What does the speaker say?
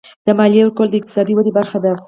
د مالیې ورکول د اقتصادي ودې برخه ده.